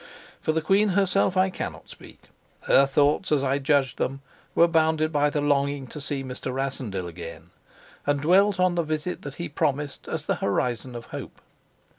For the queen herself I cannot speak. Her thoughts, as I judged them, were bounded by the longing to see Mr. Rassendyll again, and dwelt on the visit that he promised as the horizon of hope.